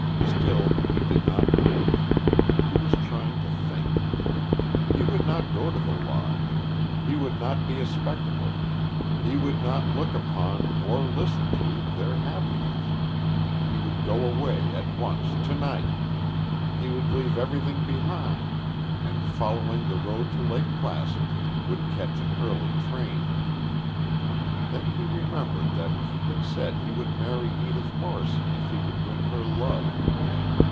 Still he did not move. He was trying to think. He would not go to the Lodge. He would not be a spectacle. He would not look upon, or listen to, their happiness. He would go away at once, to night. He would leave everything behind and, following the road to Lake Placid, would catch an early train. Then he remembered that he had said he would marry Edith Morrison if he could win her love.